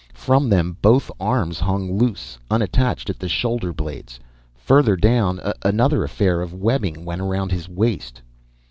From them, both arms hung loose, unattached at the shoulder blades. Further down, another affair of webbing went around his waist.